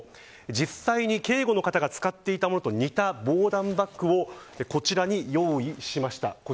実際に警護の方が使っていたものと似た防弾バッグをこちらに用意しました。